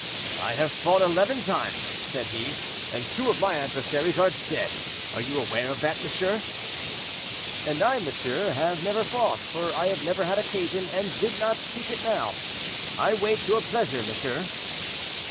"I have fought eleven times," said he, "and two of my adversaries are dead. Are you aware of that, monsieur?" "And I, monsieur, have never fought, for I have never had occasion, and I did not seek it now. I wait your pleasure, monsieur."